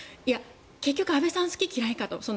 結局、安倍さん好き嫌いかと。